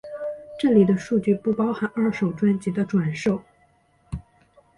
这里的数据不包含二手专辑的转售。